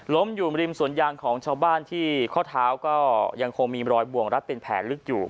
อยู่ริมสวนยางของชาวบ้านที่ข้อเท้าก็ยังคงมีรอยบ่วงรัดเป็นแผลลึกอยู่